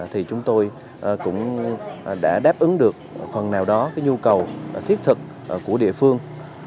thì chúng tôi cũng đã đáp ứng được phần nào đó cái nhu cầu thiết thực của địa phương